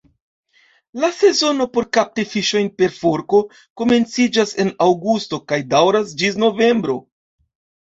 La sezono por kapti fiŝojn per forko komenciĝas en aŭgusto kaj daŭras ĝis novembro.